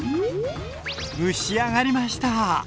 蒸し上がりました！